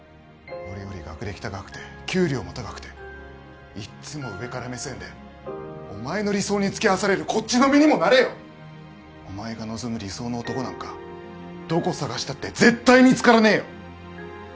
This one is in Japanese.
俺より学歴高くて給料も高くていっつも上から目線でお前の理想に付き合わされるこっちの身にもなれよお前が望む理想の男なんかどこ探したって絶対見つからねえよ